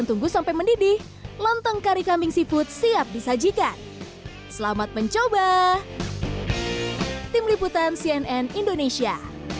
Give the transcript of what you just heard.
tim liputan cnn indonesia